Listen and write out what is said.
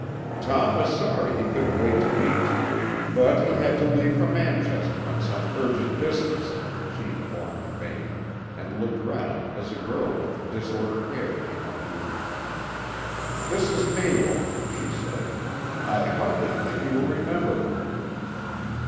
"Tom was sorry he couldn't wait to meet you, but he had to leave for Manchester on some urgent business," she informed Vane, and looked round as a girl with disordered hair came up to them. "This is Mabel," she said. "I hardly think you will remember her."